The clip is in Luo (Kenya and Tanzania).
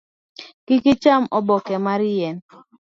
Kik icham oboke mar yien.